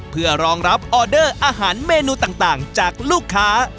เพื่อรองรับออเดอร์อาหารเมนูต่างจากลูกค้า